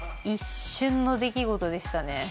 一瞬の出来事でしたね。